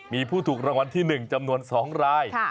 มีผู้ถูกรางวัลที่๑จำนวน๒ราย